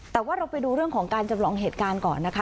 แต่ว่าเราไปดูเรื่องของการจำลองเหตุการณ์ก่อนนะคะ